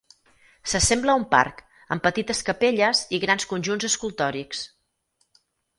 S'assembla a un parc, amb petites capelles i grans conjunts escultòrics.